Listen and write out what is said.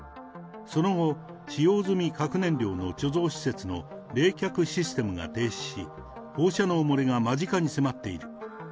その後、使用済み核燃料の貯蔵施設の冷却システムが停止し、放射能漏れが間近に迫っている。